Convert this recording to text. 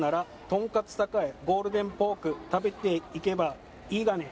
「とんかつ栄ゴールデンポーク」「食べていけばいいがね！」